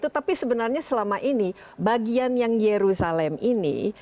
tapi sebenarnya selama ini bagian yang yerusalem ini